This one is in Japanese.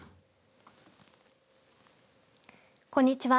こんにちは。